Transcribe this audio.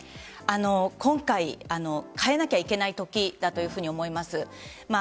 今回変えなきゃいけない時だと思います。